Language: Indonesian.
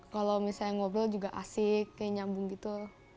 kalau ngobrol juga asik nyambung gitu